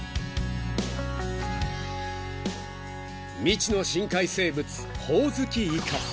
［未知の深海生物ホウズキイカ］